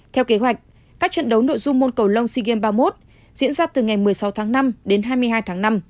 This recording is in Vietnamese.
theo kế hoạch các trận đấu nội dung môn cầu lông sea games ba mươi một diễn ra từ ngày một mươi sáu tháng năm đến hai mươi hai tháng năm